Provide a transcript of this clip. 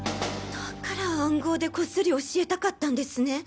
だから暗号でこっそり教えたかったんですね。